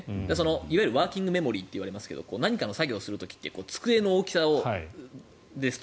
いわゆるワーキングメモリーって言われますけど何かの作業をする時って机の大きさですと。